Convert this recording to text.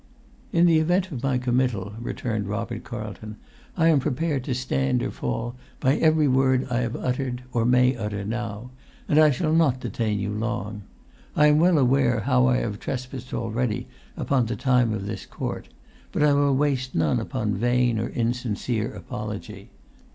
"In the event of my committal," returned Robert Carlton, "I am prepared to stand or fall by every word that I have uttered or may utter now; and I shall not detain you long. I am well aware how I have trespassed already upon the time of this court, but I will waste none upon vain or insincere apology.